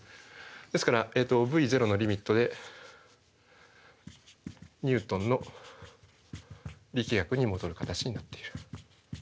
ですからｖ０のリミットでニュートンの力学に戻る形になっている。